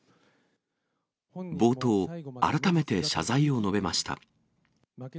冒頭、改めて謝罪を述べました。